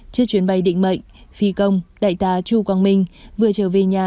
trước chuyến bay định mệnh phi công đại tá chu quang minh vừa trở về nhà